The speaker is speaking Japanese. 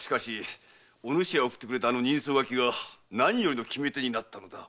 お主の送ってくれた人相書きが何よりの決め手になったのだ。